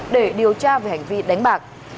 để điều tra về hành vi đánh bạc